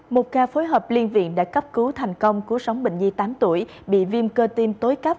một ca phối hợp liên viện đã cấp cứu thành công cứu sống bệnh nhi tám tuổi bị viêm cơ tim tối cấp